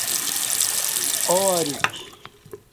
او ا ریک